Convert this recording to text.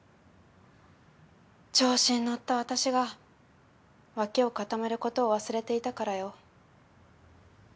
調子に乗った私が脇を固めることを忘れていたからよ。